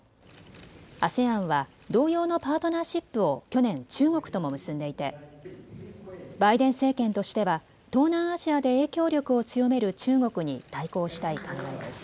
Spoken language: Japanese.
ＡＳＥＡＮは同様のパートナーシップを去年、中国とも結んでいてバイデン政権としては東南アジアで影響力を強める中国に対抗したい考えです。